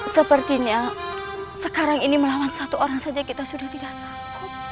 sepertinya sekarang ini melawan satu orang saja kita sudah tidak sanggup